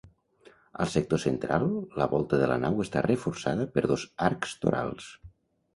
Al sector central, la volta de la nau està reforçada per dos arcs torals.